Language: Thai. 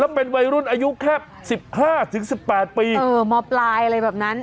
เป็นวัยรุ่นอายุแค่สิบห้าถึงสิบแปดปีเออมปลายอะไรแบบนั้น